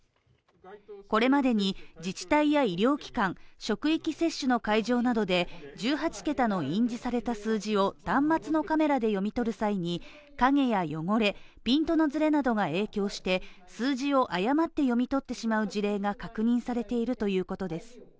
これまでに自治体や医療機関職域接種の会場などで１８桁の印字された数字を端末のカメラで読み取る際に、影や汚れ、ピントのずれなどが影響して数字を誤って読み取ってしまう事例が確認されているということです。